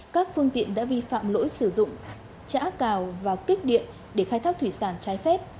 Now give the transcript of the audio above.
các phương tiện đã vi phạm lỗi sử dụng trã cào và kích điện để khai thác thủy sản trái phép